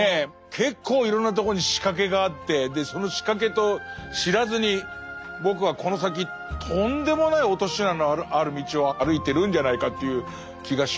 結構いろんなとこに仕掛けがあってその仕掛けと知らずに僕はこの先とんでもない落とし穴のある道を歩いてるんじゃないかという気がしますね。